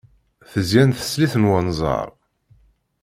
Tezyen teslit n wenzar.